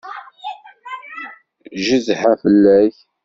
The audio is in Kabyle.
Gedha fell-ak!